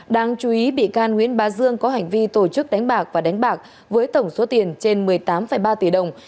đáng chú ý bị can nguyễn bá dương có hành vi tổ chức đánh bạc và đánh bạc với tổng số tiền trên một mươi tám ba tỷ đồng